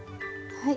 はい。